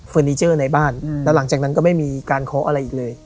นิเจอร์ในบ้านแล้วหลังจากนั้นก็ไม่มีการเคาะอะไรอีกเลย